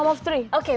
hai terima kasih